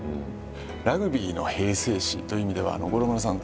ラグビーの平成史という意味では五郎丸さん